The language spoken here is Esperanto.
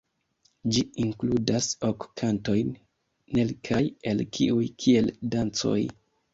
Ĝi inkludas ok kantojn, kelkaj el kiuj kiel dancoj.